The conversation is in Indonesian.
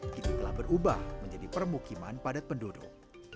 kini telah berubah menjadi permukiman padat penduduk